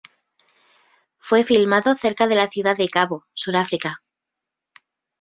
Fue filmado cerca de Ciudad del Cabo, Sudáfrica.